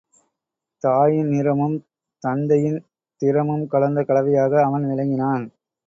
தாயின் நிறமும், தந்தையின் திறமும் கலந்த கலவையாக அவன் விளங்கினான்.